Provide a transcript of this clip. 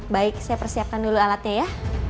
baik saya persiapkan dulu alatnya ya